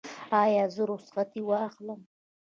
ایا زه رخصتي واخلم؟